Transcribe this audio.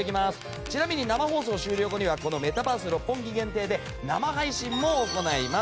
ちなみに生放送終了後にはメタバース六本木限定で生配信も行います。